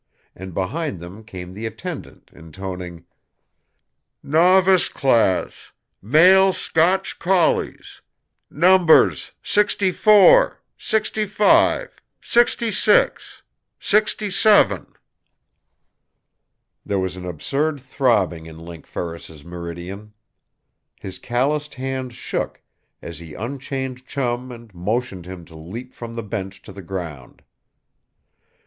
And behind them came the attendant, intoning: "Novice Class, Male Scotch Collies! Numbers 64, 65, 66, 67." There was an absurd throbbing in Link Ferris's meridian. His calloused hands shook as he unchained Chum and motioned him to leap from the bench to the ground.